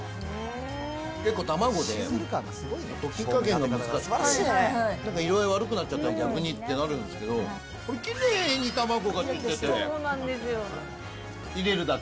結構卵って溶き加減が難しくて、なんか色合い悪くなっちゃったり、逆にってなるんですけど、これきれいに卵が散ってて、入れるだけ。